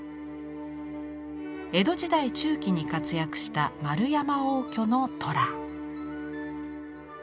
江戸時代中期に活躍した円山応挙の虎。